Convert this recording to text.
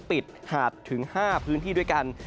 ติดหาดถึง๕พื้นที่ด้วยกัน